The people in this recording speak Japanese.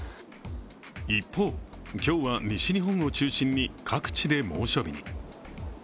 一方、今日は西日本を中心に各地で猛暑日に。